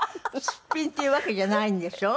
すっぴんっていうわけじゃないんでしょ？